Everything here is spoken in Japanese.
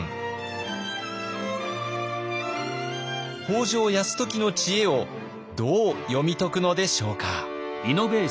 北条泰時の知恵をどう読み解くのでしょうか。